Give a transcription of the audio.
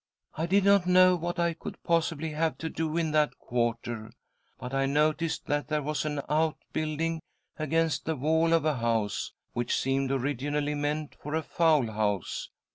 I did not know what I could possibly have to do in that quarter, but I noticed that there was an outbuilding against the wall of a house, which seemed originally meant for a fowl house.